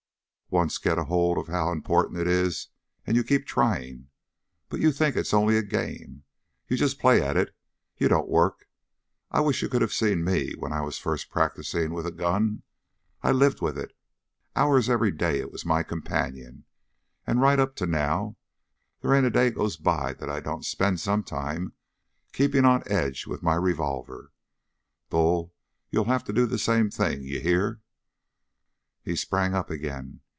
Once get hold of how important it is, and you'll keep trying. But you think it's only a game. You just play at it; you don't work! I wish you could have seen me when I was first practicing with a gun! I lived with it. Hours every day it was my companion, and right up to now, there ain't a day goes by that I don't spend some time keeping on edge with my revolver. Bull, you'll have to do the same thing. You hear?" He sprang up again.